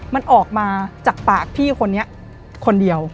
มันออกมาจากปากพี่คนนี้คนเดียว